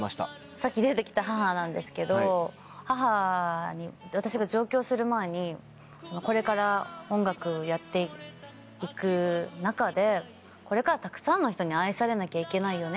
さっき出て来た母なんですけど母に私が上京する前にこれから音楽やって行く中でこれからたくさんの人に愛されなきゃいけないよねって。